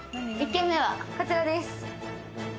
１軒目はこちらです。